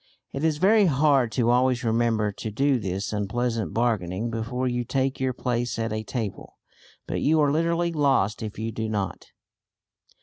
It is very hard to always remember to do this unpleasant bargaining before you take your place at a table. But you are literally lost if you do not.